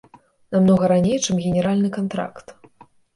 Намнога раней, чым генеральны кантракт.